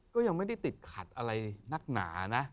ก็ยังไม่ได้ติดขัดอะไรนักหนานะ